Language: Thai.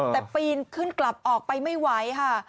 แต่ปีนขึ้นกลับออกไปไม่ไหวค่ะ